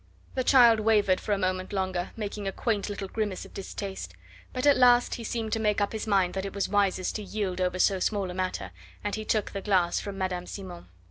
The child wavered for a moment longer, making a quaint little grimace of distaste. But at last he seemed to make up his mind that it was wisest to yield over so small a matter, and he took the glass from Madame Simon.